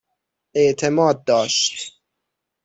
اعتماد داشت